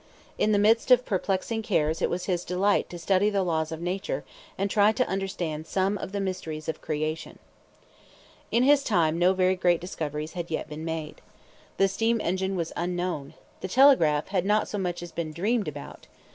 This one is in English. In the midst of perplexing cares it was his delight to study the laws of nature and try to understand some of the mysteries of creation. In his time no very great discoveries had yet been made. The steam engine was unknown. The telegraph had not so much as been dreamed about.